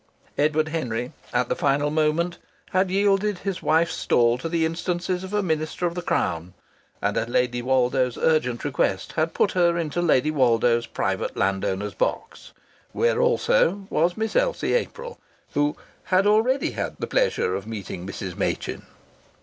Edward Henry at the final moment had yielded his wife's stall to the instances of a Minister of the Crown, and at Lady Woldo's urgent request had put her into Lady Woldo's private landowner's box, where also was Miss Elsie April, who "had already had the pleasure of meeting Mrs. Machin."